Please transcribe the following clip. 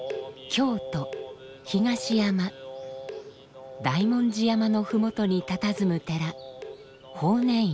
京都・東山大文字山の麓にたたずむ寺法然院。